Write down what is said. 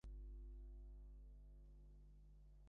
তুমি কি মনে কর, সব জানো?